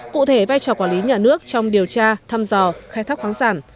cụ thể vai trò quản lý nhà nước trong điều tra thăm dò khai thác khoáng sản